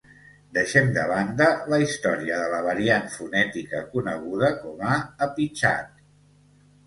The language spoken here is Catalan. Deixem de banda la història de la variant fonètica coneguda com a apitxat.